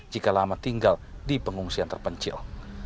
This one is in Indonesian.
jika lama tinggal di pengungsian terpencil